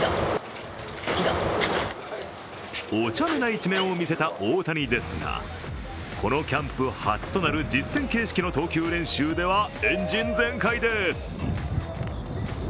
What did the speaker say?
お茶目な一面を見せた大谷ですが、このキャンプ初となる実戦形式の投球練習ではエンジン全開です。